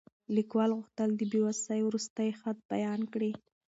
لیکوال غوښتل چې د بې وسۍ وروستی حد بیان کړي.